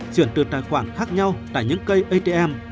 chuyển từ tài khoản khác nhau tại những cây atm